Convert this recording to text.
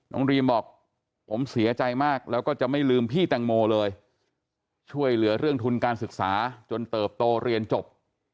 น้องรีมบอกผมเสียใจมากแล้วก็จะไม่ลืมพี่แตงโมเลยช่วยเหลือเรื่องทุนการศึกษาจนเติบโตเรียนจบ